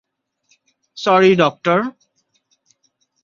Sorry, doctor.